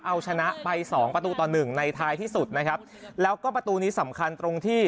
เอาชนะไปสองประตูต่อหนึ่งในท้ายที่สุดนะครับแล้วก็ประตูนี้สำคัญตรงที่